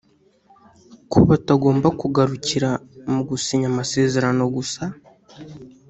ko batagomba kugarukira mu gusinya amasezerano gusa